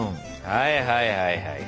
はいはいはいはい。